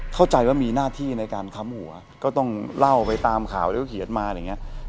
เข้าใจว่ามีหน้าที่ในการค้ำหัวก็ต้องเล่าไปตามข่าวแล้วก็เขียนมาอะไรอย่างนี้